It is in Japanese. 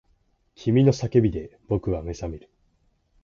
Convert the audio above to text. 君の叫びで僕は目覚める